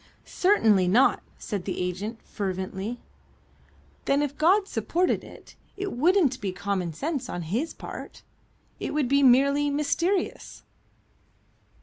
"Certainly not," said the agent, fervently. "Then if God supported it, it wouldn't be common sense on His part. It would be merely mysterious?"